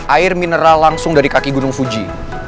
air mineral langsung dari kaki gunung fuji